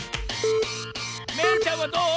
めいちゃんはどう？